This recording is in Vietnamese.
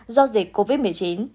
do dịch covid một mươi chín